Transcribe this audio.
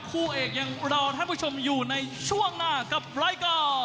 คู่เอกยังรอท่านผู้ชมอยู่ในช่วงหน้ากับรายการ